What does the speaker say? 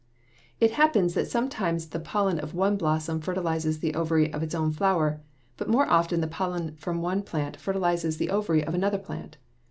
It happens that sometimes the pollen of one blossom fertilizes the ovary of its own flower, but more often the pollen from one plant fertilizes the ovary of another plant.